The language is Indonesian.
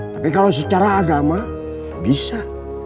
tapi kalau secara agama bisa